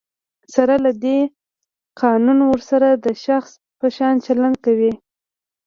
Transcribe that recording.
سره له دی، قانون ورسره د شخص په شان چلند کوي.